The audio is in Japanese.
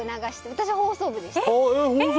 私、放送部でしたよ。